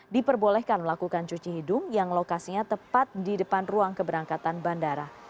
diperbolehkan melakukan cuci hidung yang lokasinya tepat di depan ruang keberangkatan bandara